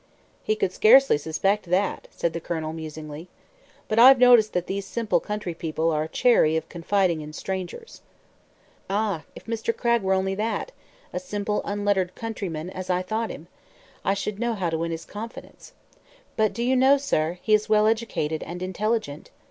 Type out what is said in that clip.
"He could scarcely suspect that," said the Colonel, musingly. "But I've noticed that these simple country people are chary of confiding in strangers." "Ah, if Mr. Cragg were only that a simple, unlettered countryman, as I thought him I should know how to win his confidence. But, do you know, sir, he is well educated and intelligent.